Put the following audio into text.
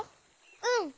うん。